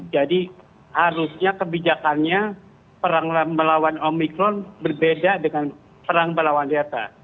jadi harusnya kebijakannya perang melawan omikron berbeda dengan perang melawan delta